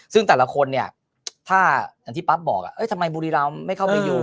ซึ่งแต่ละคนเนี่ยถ้าอย่างที่ปั๊บบอกทำไมบุรีรำไม่เข้าไปอยู่